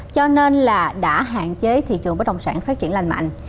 cho nên là đã hạn chế thị trường bất đồng sản phát triển lành mạnh